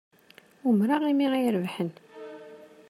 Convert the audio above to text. Umreɣ imi ay rebḥen.